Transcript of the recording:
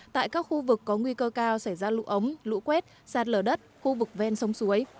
tại các khu vực có nguy cơ cao xảy ra lũ ống lũ quét sạt lở đất khu vực ven sông suối